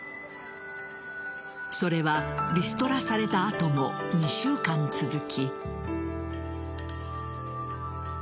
それはリストラされた後も２週間続き。